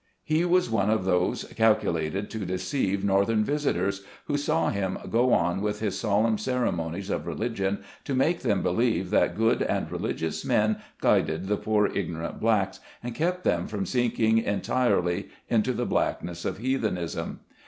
He was one of those calculated to deceive northern visitors, who saw him go on with his sol emn ceremonies of religion, to make them believe 168 SKETCHES OF SLAVE LIFE. that good and religious men guided the poor igno rant blacks, and kept them from sinking entirely into the blackness of heathenism.